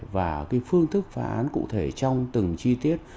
và cái phương thức phá án cụ thể trong từng chi tiết